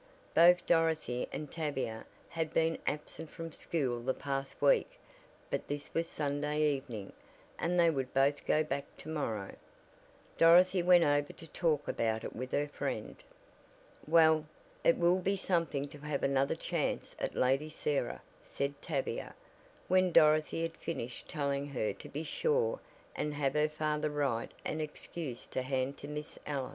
Both Dorothy and Tavia had been absent from school the past week but this was Sunday evening, and they would both go back to morrow. Dorothy went over to talk about it with her friend. "Well, it will be something to have another chance at Lady Sarah," said Tavia, when Dorothy had finished telling her to be sure and have her father write an excuse to hand to Miss Ellis.